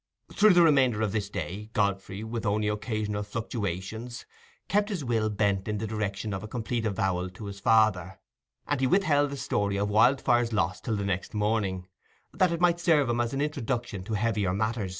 Through the remainder of this day Godfrey, with only occasional fluctuations, kept his will bent in the direction of a complete avowal to his father, and he withheld the story of Wildfire's loss till the next morning, that it might serve him as an introduction to heavier matter.